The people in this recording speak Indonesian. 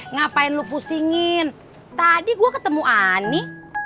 ngapain lo pusingin tadi gua ketemu ani